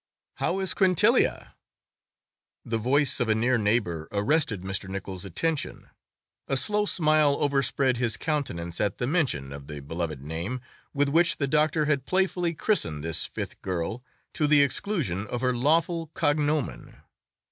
"How is Quintilia?" The voice of a near neighbor arrested Mr. Nichols's attention. A slow smile overspread his countenance at the mention of the beloved name, with which the doctor had playfully christened this fifth girl, to the exclusion of her lawful cognomen.